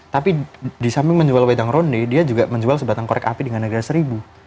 tapi di samping menjual wedang ronde dia juga menjual sebatang korek api dengan negara seribu